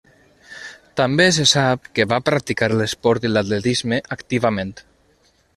També se sap que va practicar l'esport i l'atletisme activament.